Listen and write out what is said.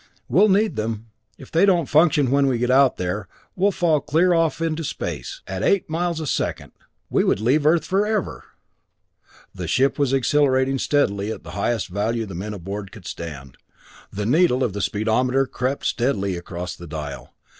We'll need them! If they don't function when we get out there, we'll fall clear off into space! At eight miles a second, we would leave Earth forever!" The ship was accelerating steadily at the highest value the men aboard could stand. The needle of the speedometer crept steadily across the dial.